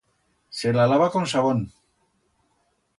Se la lava con sabón